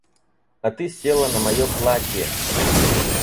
А ты села на мое платье!